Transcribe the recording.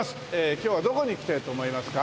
今日はどこに来てると思いますか？